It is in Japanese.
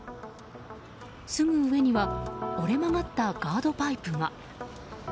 すぐ上には折れ曲がったガードパイプが。